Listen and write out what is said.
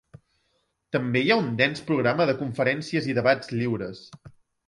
També hi ha un dens programa de conferències i debats lliures.